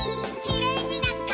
「きれいになったね」